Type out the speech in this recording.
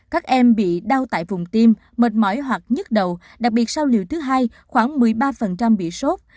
các em bị đau tại vùng tim mệt mỏi hoặc nhức đầu đặc biệt sau liều thứ hai khoảng một mươi ba bị sốt